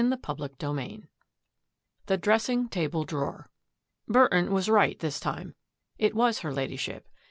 t 9ii>'H^^ CHAPTER Xn THE DRESSING TABLE DRAWER Burton was right this time. It was her Lady ship.